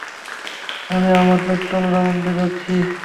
আমি আমার প্যাট্রোল রাউন্ডে যাচ্ছি।